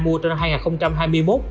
mua trong năm hai nghìn hai mươi một